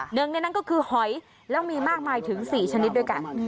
หนึ่งในนั้นก็คือหอยแล้วมีมากมายถึง๔ชนิดด้วยกัน